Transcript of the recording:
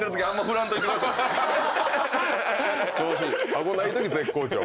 顎ないとき絶好調。